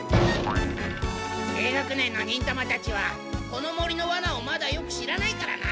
低学年の忍たまたちはこの森のワナをまだよく知らないからな。